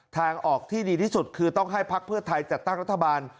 ทางออกที่ดีที่สุดคือต้องให้พักเพื่อไทยจัดตั้งรัฐบาล